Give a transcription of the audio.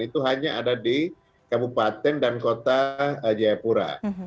itu hanya ada di kabupaten dan kota jayapura